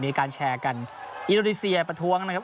มีการแชร์กันอินโดนีเซียประท้วงนะครับ